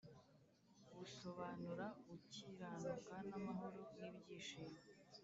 Busobanura gukiranuka n’amahoro n’ibyishimo